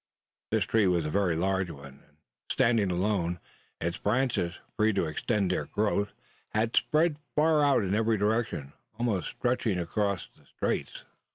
This tree was a very large one; and standing alone, its branches, free to extend their growth, had spread far out in every direction, almost stretching across the straits.